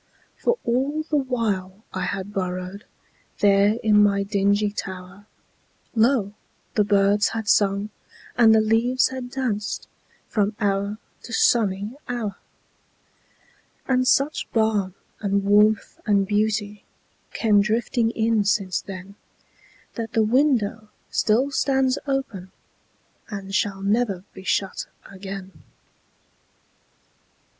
For all the while I had burrowedThere in my dingy tower, Lo! the birds had sung and the leaves had dancedFrom hour to sunny hour. And such balm and warmth and beautyCame drifting in since then, That the window still stands openAnd shall never be shut again.